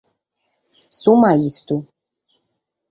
Su Maistu.